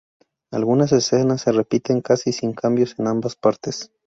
Algunas escenas se repiten casi sin cambios en ambas partes.